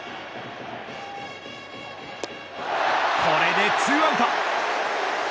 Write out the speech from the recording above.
これで２アウト。